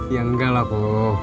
ya enggak lah po